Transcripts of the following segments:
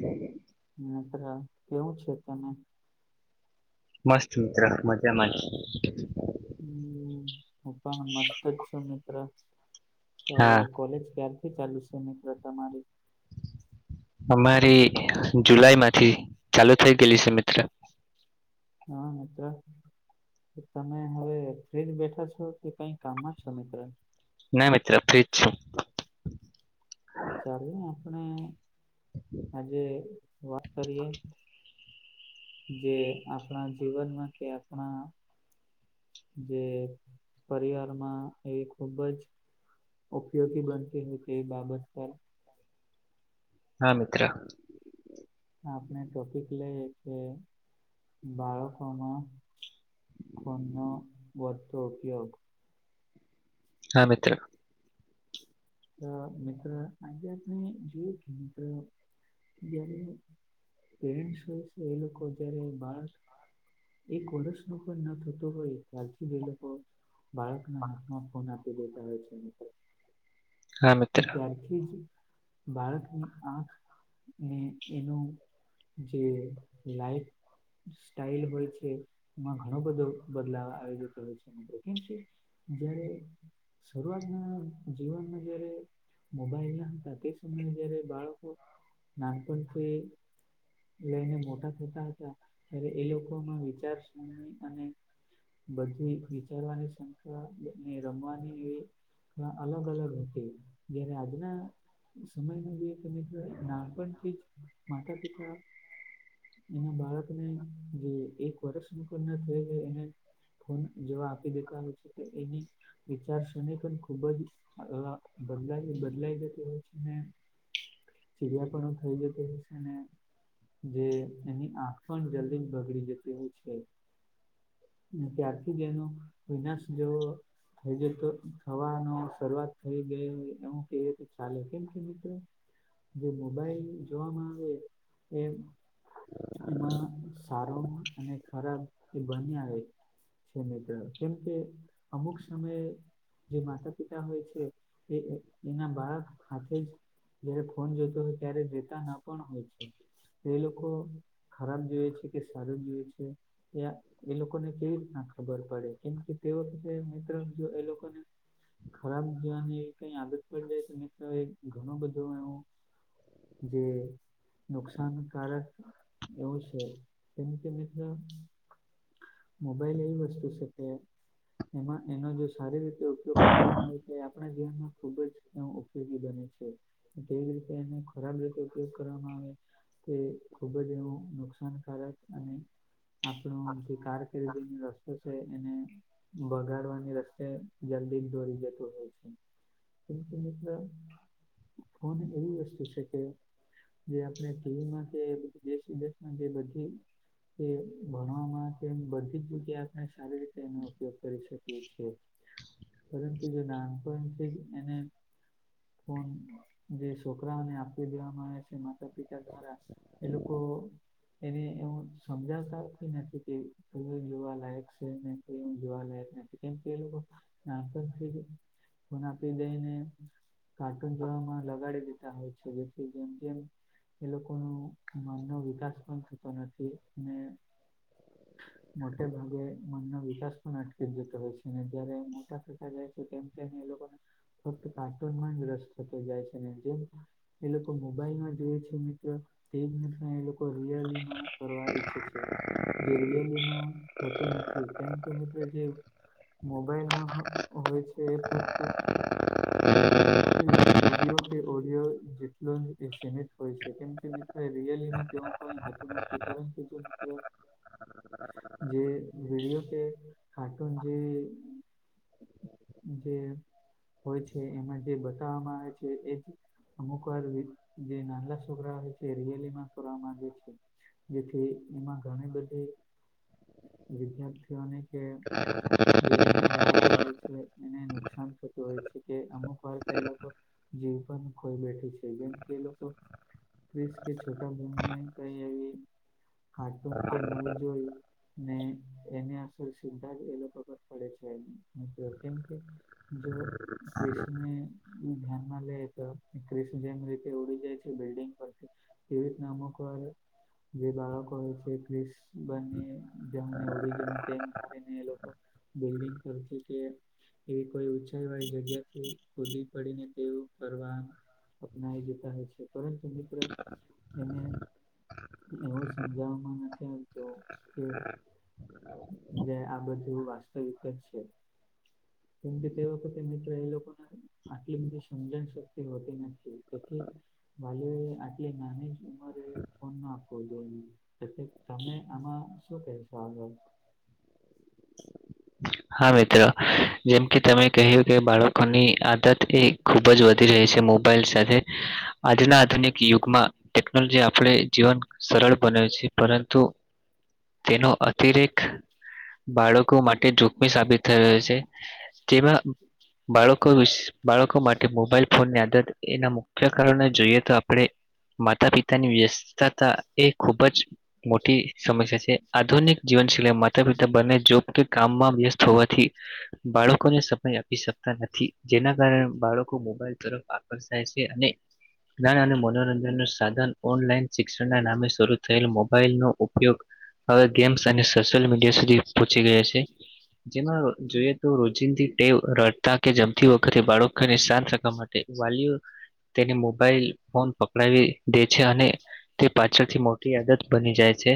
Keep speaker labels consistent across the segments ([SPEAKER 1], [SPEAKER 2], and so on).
[SPEAKER 1] બબ [inaudible]
[SPEAKER 2] મ્ર કેવું છે તમે?
[SPEAKER 1] મસ્ત મિત્ર મજામાં.
[SPEAKER 2] હમ હું પણ મસ્ત જ છું મિત્ર હવે
[SPEAKER 1] હા
[SPEAKER 2] કોલેજ ક્યારથી ચાલુ છે મિત્ર તમારી?
[SPEAKER 1] અમારી જુલાઈ માંથી ચાલુ થઈ ગયેલી છે મિત્ર.
[SPEAKER 2] હા એટ તમે હવે ફ્રી જ બેઠા છો? કે કઈ કામમાં છો મિત્ર.
[SPEAKER 1] ના મિત્ર ફ્રી જ છુ
[SPEAKER 2] તો ચાલે આપણે આજે. વાત કરીએ. જે આપણા જીવનમાં કે આપણા જે પરિવારમાં એ ખુબ જ. ઉપયોગી બનતી હોય તેવી બાબત પર.
[SPEAKER 1] હા મિત્ર.
[SPEAKER 2] આપણે ટોપિક લઈએ કે બાળકોમાં. ફોનનો વધતો ઉપયોગ.
[SPEAKER 1] હા મિત્ર.
[SPEAKER 2] તો મિત્ર આજે આપણે જોયું કે મિત્ર જ્યારે. પેરેન્ટ હોય છે એ લોકો જયારે માર એક વર્ષનું પણ ન થતો હોય ત્યારથી એ લોકો બાળકના હાથમાં ફોન આપી દેતા હોય છે, મિત્ર.
[SPEAKER 1] હા મિત્ર
[SPEAKER 2] ત્યારથી જ બાળકની આંખ, ને એનું જે લાઈફ સ્ટાઇલ હોય છે, માં ઘણો બધો બદલાવ આવી જતો હોય છે. કેમ કે જયારે શરૂઆતના જીવનમાં જયારે મોબાઈલ હતા તે સમયે જયારે બાળકો નાનપણથી લઈને મોટા થતા હતા ત્યારે એ લોકોમાં વિચાર સરણી અને બધી વિચારવાની સંખ્યા, ને રમવાની એ રીતના અલગ-અલગ હતી. જયારે આજના સમયની જે તમે કયો એમ નાન-પણથી જ માતા-પિતા એના બાળકને જો એક વર્ષ ઉપરના થઈ હોય એને ફોન જોવા આપી દેતા હોય છે. તો એની વિચાર શ્રેણી પણ ખૂબ જ એવા બદલાઈ-બદલાઈ જતી હોય છે, ને ચીડિયાપનું થઈ જતું હોય છે. ને જે, એની આંખ પણ જલ્દી જ બગડી જતી હોય છે. અને ત્યારથી જ એનો વિનાશ જો થઈ જતો. થવાનો શરૂઆત થઈ ગઈ એવું કે તો ચાલે. કેમ કે મિત્ર જે મોબાઈલ જોવામાં આવે એ એમાં સારો અને ખરાબ એ બને આવે. છે મિત્ર, કેમ કે અમુક સમયે જે માતા-પિતા હોય છે. કે એના બાળક હાથે જ જયારે ફોન જોતો હોય ત્યારે દેતા ના પણ હોય છે. એ લોકો ખરાબ જોઈએ છે, કે સારું જુએ છે ત્યા એ લોકોને કેવી રીતના ખબર પડે? કેમ કે તે વખતે મિત્ર, જો એ લોકોને ખરાબ જોવાની એવી કઈ આદત પડી જાય તો મિત્ર ઘણું બધું એવું જે નુકસાનકારક એવું છે. કેમ કે મિત્ર મોબાઈલ એવી વસ્તુ છે કે એમાં એનો જો સારી રીતે ઉપયોગ કરવામાં આવે. એ આપણા જીવનમાં ખુબ જ એ ઉપયોગી બને છે. તેવી રીતે એને ખરાબ રીતે ઉપયોગ કરવામાં આવે. કોઈ ખુબ જ એનો નુકસાનકારક અને આપણું જે કારકીર્તિ રસ્તો છે એને બગાડવાની રસ્તે જલ્દી જ દોરી જતો હોય છે. કેમ કે મિત્ર ફોન એવી વસ્તુ છે કે જે આપણે ટીવીમાં કે દેશ વિદેશમાં જે બધી કે ભણવામાં કે એમ બધી જ જગ્યાએ આપણે સારી રીતે એનો ઉપયોગ કરી શકીએ છીએ. પરંતુ જે નાનપણથી જ એને ફોન જે છોકરાઓને આપી દેવામાં આવે છે. માતા-પિતા દ્વારા એ લોકો એને એવું સમજાવતા નથી કે ફોન જોવા લાયક છે ને શું જોવા લાયક નથી. કેમ કે એ લોકો નાનપણથી જ ફોન આપી દઈને કાર્ટૂન જોવામાં લગાડી દેતા હોય છે. જે જેમ-જેમ એ લોકોનો મનનો વિકાસ પણ થતો નથી. અને મોટે ભાગે મનનો વિકાસ પણ અટકી જતો હોય છે. ને જયારે મોટા થતા જાય છે તેમ તેમ એ લોકોને ફક્ત કાર્ટૂનમાં જ રસ થતો જાય છે. ને જેમ એ લોકો મોબાઈલમાં જોવે છે મિત્ર તેમ કરતા એ લોકો રિઅલીમાં કરવા ઈચ્છે છે. જે રીઅલીમાં હોતું નથી. કેમ કે મિત્ર જે મોબાઈલમાં હોય છે એ ફક્ત એ વિડીયો કે ઓડિયો જેટલો એ સીમિત હોય છે. કેમ કે મીત તે રિયલીમાં તેવું કોઈ હોતું નથી. પરંતુ જો મિત્ર જે વિડિયો કે કાર્ટૂન જેવી જે હોય છે એમાં જે બતાવવામાં આવે છે એજ અમુક વાર જે નાના છોકરાઓય છે રિયલીમાં કરવા માંગે છે જેથી એમાં ઘણી બધી વિદ્યાર્થીઓને કે જે નાના બાળકો હોય છે એને નુકસાન થતું હોય છે કે અમુક વાર્તા એ લોકો જીવ પણ ખોઈ બેઠે છે જેમ કે એ લોકો પ્રિસ કે છોટા ભીમની કોઈ એવી કાર્ટૂન કે મુવી જોયું ને એને અસર સીધા જ એ લોકો પર પડે છે મિત્રો કેમ કે જો ક્રિશ ને એ ધ્યાનમાં લે તો ક્રિષ જેમ રીતે ઉડી જાય છે બિલ્ડિંગ પરથી એવી જ નામ પર જે બાળકો હોય છે ક્રિશ બને જમને ઓડી જ ટેક ધારીને એ લોકો બિલ્ડિંગ કરે છે કે એવી કોઈ ઉંચાઈ વાળી જગ્યાથી ખુદી પડીને તેવું કરવાનું અપનાવી જતા હોય છે પરંતુ મિત્ર એને એવું સમજાવવામાં નથી આવતું કે જે આ બધું વાસ્તવિક જ છે કેમકે તે વખતે મિત્ર એ લોકોને આટલી બધી સમજણ શક્તિ હોતી નથી તેથી ભાઈઓ એ આટલી નાની જ ઉંમરે ફોન ના આપવો જોઈએ એટલે તમે આમાં શું કહેશો આગળ
[SPEAKER 1] હા મિત્રો જેમ કે તમે કહ્યું કે બાળકોની આદત એ ખૂબ જ વધી રહી છે મોબાઈલ સાથે આજના આધુનિક યુગમાં ટેકનોલોજી આપણે જીવન સરળ બને છે પરંતુ તેનો અતિરેક બાળકો માટે જોખમી સાબિત થઈ રહ્યો છે જેમાં બાળકો વિશ બાળકો માટે મોબાઈલ ફોન ની આદત એના મુ મુખ્ય કારણને જોઈએ તો આપણે માતા પિતાની વ્યસ્તતા એ ખૂબ જ મોટી સમસ્યા છે આધુનિક જીવનશૈલી માતા પિતા બને જો કામમાં વ્યસ્ત હોવાથી બાળકોને સમય આપી આપી શકતા નથી જેના કારણે બાળકો મોબાઈલ તરફ આકર્ષાય છે અને જ્ઞાન અને મનોરંજન નું સાધન ઓનલાઈન શિક્ષણ ના નામે શરૂ થયેલ મો મોબાઇલ નો ઉપયોગ હવે ગેમ્સ અને સોશિયલ મીડિયા સુધી પહોંચી ગયો છે જેમાં જોઈએ તો રોજિંદી ટેવ રડતા કે જમતી વખતે બાળકોને શાંત રાખવા માટે વાલીઓ તેને મોબાઈલ ફોન પકડાવી દે છે અને તે પાછળથી મોટી આદત બની જાય છે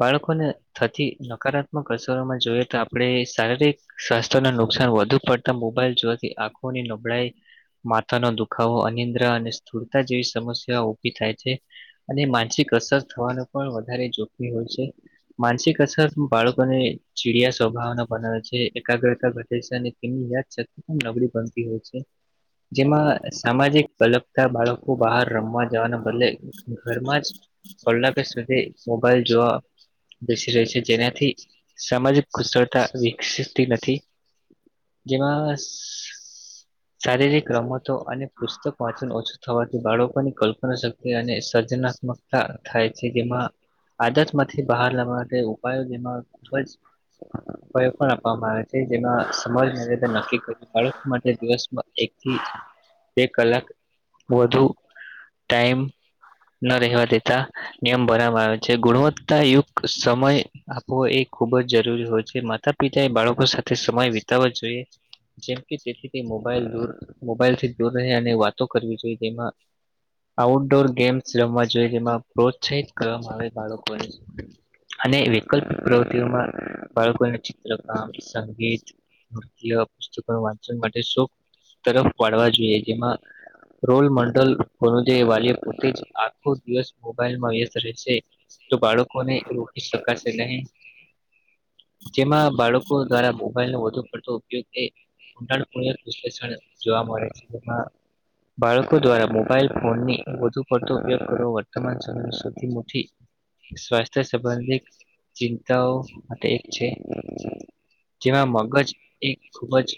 [SPEAKER 1] બાળકોને થતી નકારાત્મક અસરોમાં જોઈએ તો આપણે શારીરિક સ્વાસ્થ્યના નુકસાન વધુ પડતા મોબાઈલ જોવાથી આંખોની નબળાઈ માથા નો દુખાવો અનિદ્રા અને સ્થૂળતા જેવી સમસ્યા ઉભી થાય છે અને માનસિક અસર થવાનું પણ વધારે જોખમી હોય છે માનસિક અસર બાળકોને ચીડિયા સ્વભાવના બનાવે છે એકાગ્રતા ઘટે છે અને તેની યાદશક્તિ પણ નબળી બનતી હોય છે જેમાં સામાજિક અલપતા બાળકો બહાર રમવા જવાના બદલે ઘરમાં જ કલાક વાર સુધી મોબાઈલ જોવા બેસી રહ્યો છે જેનાથી સામાજિક કુશળતા વિકસતી નથી જેમાં સ શારીરિક રમતો અને પુસ્તક વાંચન ઓછું થવાથી બાળકોની કલ્પના શક્તિ અને સર્જના મક્તા થાય છે જેમાં આદતમાંથી બહાર લાવવા માટે ઉપાયો જેમાં ખુબ જ
[SPEAKER 2] [inaudible]
[SPEAKER 1] પણ આપવામાં આવે છે જેમાં સમાજ નિવેદન નક્કી કર બાળક માટે દિવસમાં એકથી બે કલાક વધુ ટાઈમ
[SPEAKER 2] [unintelligible]
[SPEAKER 1] ન રહેવા દેતા નિયમ ભરવામાં આવે છે ગુણવત્તાયુક્ત સમય આપો એ ખુબ જ જરૂરી હોય છે માતા પિતા એ બાળકો સાથે સમય વિતાવવાો જોઈએ જેમ કે તેથી તે મોબાઈલ દર મોબાઈલથી દૂર રહી અને વાતો કરવી જોઈએ તેમાં આઉટડોર ગેમ્સ રમવા જોઈએ જેમાં પ્રોત્સાહિત કરવામાં આવે બાળકોને અને વૈકલ્પિક પ્રવૃત્તિઓમાં બાળકોને ચિત્રકામ સંગીત નૃત્ય પુસ્તકો વાંચ માટે શોખ તરફ વાળવા જોઈએ જેમાં રોલ મોડલ વાલી પોતે જ આખો દિવસ મોબાઈલમાં વ્યસ્ત રહેશે. તો બાળકોને રોકી શકાશે નહી. જેમાં બાળકો દ્વારા મોબાઈલ નો વધુ પડતો ઉપયોગ એ [unintelligible] વિશ્લેષણ જોવા મળે છે જેમાં બાળકો દ્વારા મોબાઈલ ફોનની વધુ પડતો ઉપયોગ કરવો વર્તમાન સમય સૌધી નથી. સ્વાસ્થ્ય સંબંધિત ચિંતાઓ માટે એક છે જેમાં મગજ એક ખુબ જ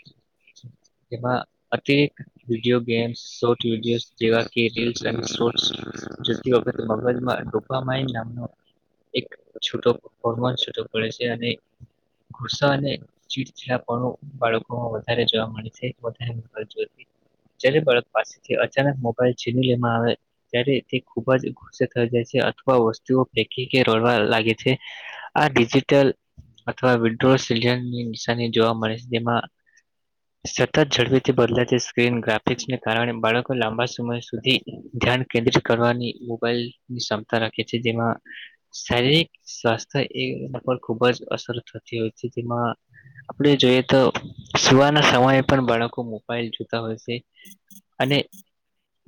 [SPEAKER 1] જેમાં અતિરેક વિડીયો ગેમ્સ વિડીયો જેવા રીલ્સ શોર્ટ [unintelligible] મગજમાં નામનો એક છૂટો હોર્મોન છટો કરે છે અને ગુસ્સો અને ચીડચીડા પણ બાળકો વધારે જોવા મળે છે [unintelligible] જ્યારે બાળક પાસેથી અચાનક મોબાઈલ છીની લેવામાં આવે. ત્યારે તે ખુબ જ ગુસ્સે થઈ જાય છે અથવા વસ્તુઓ ફેકી કે રડવા લાગે છે. આ ડિજિટલ અથવા વિડ્રોની નિશાની જોવા મળે છે જેમાં સતત ઝડપીથી બદલાતી સ્ક્રીન ગ્રાફિક્સને કારણે બાળકો લાંબા સમય સુધી ધ્યાન કેન્દ્રિત કરવાની મોબાઈલની ક્ષમતા રાખે છે જેમાં શારીક સ્વાસ્થ્ય એ ખુબ જ અસર થતી હોય છે તેમાં આપણે જોઈ તો સુવાના સમયે પણ બાળકો મોબાઈલ જોતા હોય છે.
[SPEAKER 2] [inaudible]
[SPEAKER 1] અને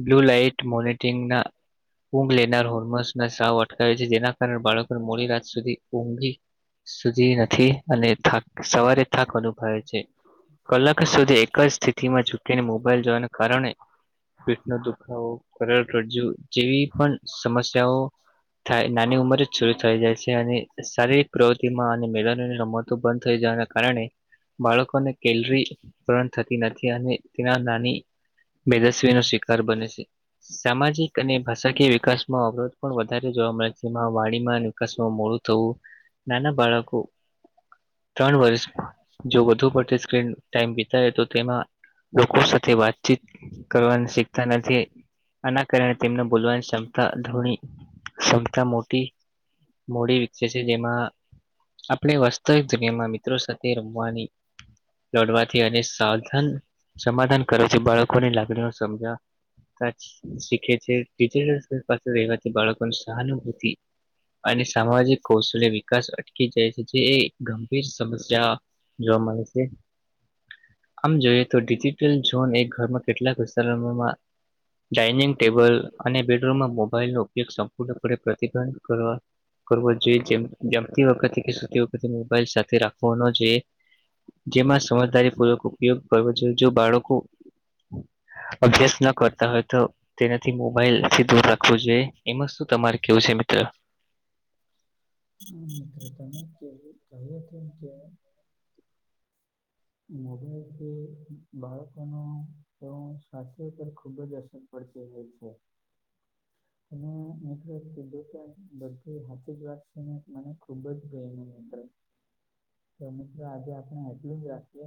[SPEAKER 1] બ્લુ લાઈટ મોનિટીગના ઊંઘ લેનાર હોર્મોન્સ ના સાવ અટકાવે છે જેના કારણે બાળકોને મોડી રાત સુધી ઊંઘી સુધી નથી અને થાક સવારે થાક અનુભવે છે. કલાક સુધી એક જ સ્થિતિ માં ઝૂકીને મોબાઈલ જોવાના કારણે પીઠ નો દુખાવો કરળ રજુ જેવી પણ સમસ્યાઓ થાય નાની ઉંમર જ શરૂ થઈ જાય છે અને શારીરિક પ્રવૃતિમાં અને મેદાની રમતો બંધ થઈ જવાના કારણે બાળકોને કેલરી ધરણ થતી નથી અને તેના નાની બેદસ્વી નો શિકાર બને છે. સામાજિક અને ભાષાકીય વિકાસમાં અવરોધ પણ વધારે જોવા મળે છે જેમાં વાણીમાં [unintelligible] મોડું થવું. નાના બાળકો ત્રણ વર્ષ જો વધુ પડતી સ્ક્રીન ટાઈમ વિતાય તો તેમાં લોકો થી વાતચીત કરવાનું શીખતા નથી આના કારણે તેમને બોલવાની ક્ષમતા ધોણી સતા મોટી મોડી વિકે છે જેમાં આપણે વાસ્તવિક દુનિયામાં મિત્રો સાથે રમવાની દોડવાથી અને સાધ સમાધાન કરે છે બાળકોની લાગણીનું સમજ [unintelligible] શીખે છે [unintelligible] પાસે રેવાથી બાળકો સહાનુભૂતિ અને સામાજિક કૌશલ્ય વિકાસ અટકી જાય છે જે એક ગંભીર સમસ્યા જોવા મળે છે. આમ જોઈએ તો ડિજિટલ ઝોન એક ઘરમાં કેટલાક વિસ્તારોમાં ડાયનિંગ ટેબલ અને બેડરૂમમાં મોબાઈલ નો ઉપયોગ સંપૂર્ણપણે પ્રતિબંધ કરવા કરવો જોઈએ જે જમતી વખતે કે સુતી વખતે મોબાઈલ સાથે રાખવાનો જે જેમાં સમજદારી પૂર્વક ઉપયોગ કરવો જોઈએ જો બાળકો અભ્યાસ ન કરતા હોય તો તેનાથી મોબાઈલ થી દૂર રાખું જોઈએ એમાં શું તમારે કેવું છે મિત્ર
[SPEAKER 2] હ મિત્ર તમે કે કહ્યું હતું કે મોબાઈલથી બાળકનો તો સ્વાસ્થ્ય પર ખુબ જ અસર પડતી હોય છે એમાં નેટવર્ક કીધું બધી હા વાત છેને મને ખુબ જ ભય ને તો મિત્રો આજે આપણે એટલું જ રાખીએ